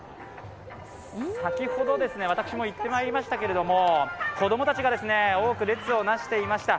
先ほど、私も行ってまいりましたけど子供たちが多く列をなしていました。